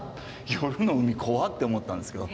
夜の海怖っ！と思ったんですけど。